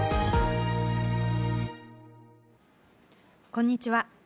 こんにちは。